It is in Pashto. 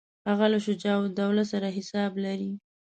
هغه له شجاع الدوله سره حساب لري.